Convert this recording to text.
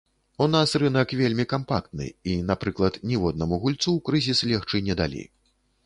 У нас рынак вельмі кампактны, і, напрыклад, ніводнаму гульцу ў крызіс легчы не далі.